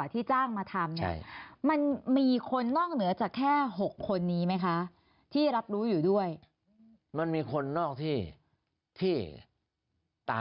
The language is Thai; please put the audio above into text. ตัวที่ดีเนี่ยไม่เกี่ยว